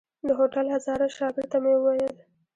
د هوټل هزاره شاګرد ته مې وويل.